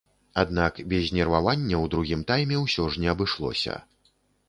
Аднак без нервавання ў другім тайме ўсё ж не абышлося.